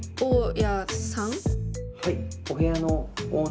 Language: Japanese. はい。